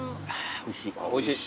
おいしい。